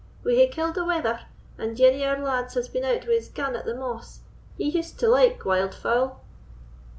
We hae killed a wether, and ane o' our lads has been out wi' his gun at the moss; ye used to like wild fowl."